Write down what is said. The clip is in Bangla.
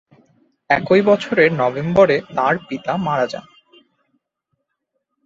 একই বছরের নভেম্বরে তাঁর পিতা মারা যান।